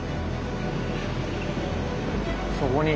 そこに。